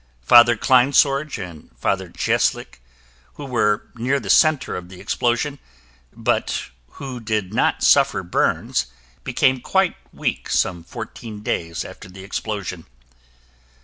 Father Kleinsorge and Father Cieslik, who were near the center of the explosion, but who did not suffer burns became quite weak some fourteen days after the explosion.